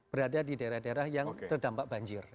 berada di daerah daerah yang terdampak banjir